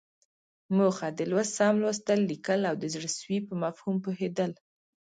موخه: د لوست سم لوستل، ليکل او د زړه سوي په مفهوم پوهېدل.